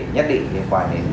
nhất định liên quan đến